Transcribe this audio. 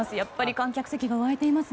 観客席が沸いています。